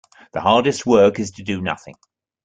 The hardest work is to do nothing.